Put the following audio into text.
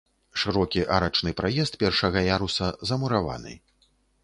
Шырокі арачны праезд першага яруса замураваны.